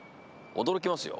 驚きますよ。